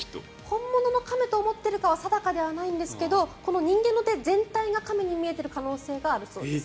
本物の亀と思っているかは定かではないんですが人間の手全体が亀に見えている可能性があるそうです。